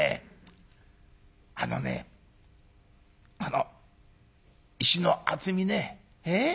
あのねこの石の厚みね。